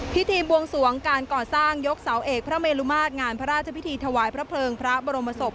พิธีบวงสวงการก่อสร้างยกเสาเอกพระเมลุมาตรงานพระราชพิธีถวายพระเพลิงพระบรมศพ